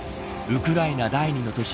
ウクライナ第２の都市